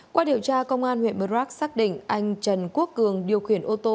qua điều tra công an huyện murdrock xác định anh trần quốc cường điều khiển ô tô